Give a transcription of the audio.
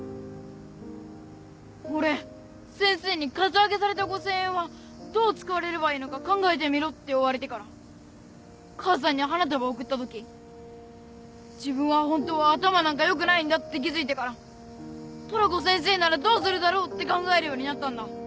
俺先生にカツアゲされた５０００円はどう使われればいいのか考えてみろって言われてから母さんに花束贈った時自分は本当は頭なんか良くないんだって気付いてからトラコ先生ならどうするだろうって考えるようになったんだ。